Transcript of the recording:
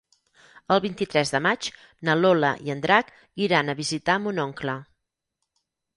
El vint-i-tres de maig na Lola i en Drac iran a visitar mon oncle.